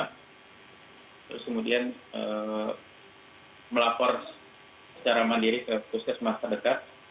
terus kemudian melapor secara mandiri ke puskesmas terdekat